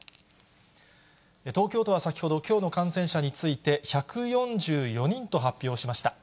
東京都は先ほど、きょうの感染者について、１４４人と発表しました。